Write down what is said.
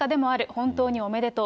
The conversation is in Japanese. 本当におめでとう。